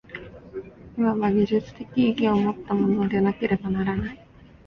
いわば技術的意義をもったものでなければならない。